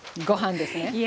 ご飯ですね。